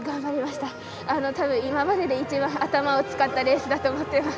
たぶん、今までで一番頭を使ったレースだと思っています。